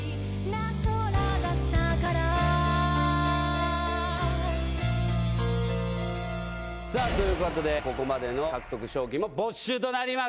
空だったからということでここまでの獲得賞金も没収となります。